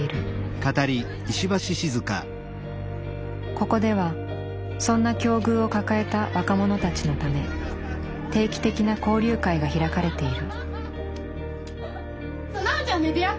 ここではそんな境遇を抱えた若者たちのため定期的な交流会が開かれている。